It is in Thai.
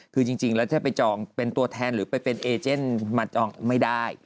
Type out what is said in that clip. คือจริงแล้วถ้าไปจองเป็นตัวแทนหรือไปเป็นเอเจนมาจองไม่ได้